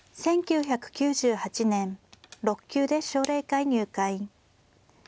１９９８年６級で奨励会入会。